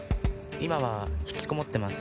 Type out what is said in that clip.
今は引きこもってます。